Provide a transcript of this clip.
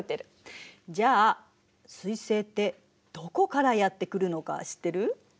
じゃあ彗星ってどこからやって来るのか知ってる？